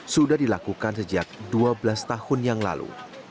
sudah dilakukan sejak dua belas tahun yang lalu